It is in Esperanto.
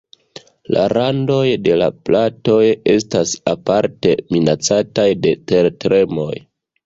La randoj de la platoj estas aparte minacataj de tertremoj.